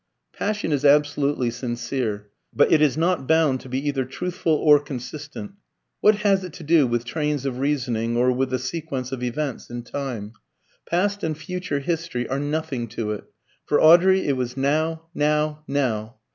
Passion is absolutely sincere, but it is not bound to be either truthful or consistent. What has it to do with trains of reasoning, or with the sequence of events in time? Past and future history are nothing to it. For Audrey it was now now now.